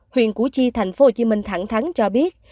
huyện củ chi tp hcm thẳng thắng cho biết